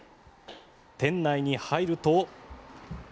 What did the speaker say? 店内に入ると。